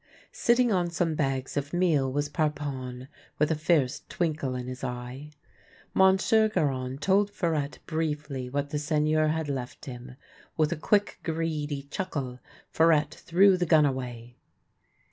Sitting on some bags of meal was Parpon, with a fierce twinkle in his eye. Monsieur Garon told Farette briefly what the ^Seigneur had left him. With a quick, greedy chuckle Farette threw the gun away.